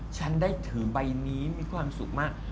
ฉันได้ถือใบนี้มีความสุขมาก